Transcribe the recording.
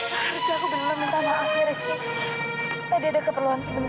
tadi ada keperluan sebentar